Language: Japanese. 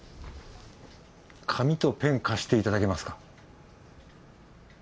紙とペン貸していただけますか？